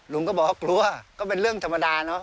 ลุงก็บอกว่ากลัวก็เป็นเรื่องธรรมดาเนอะ